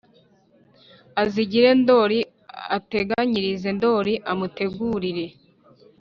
azigire ndoli: ateganyirize ndoli, amutegurire